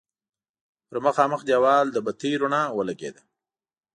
پر مخامخ دېوال د بتۍ رڼا ولګېده.